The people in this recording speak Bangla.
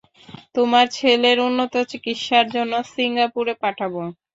তোমার ছেলের উন্নত চিকিৎসার জন্য সিঙ্গাপুরে পাঠাবো।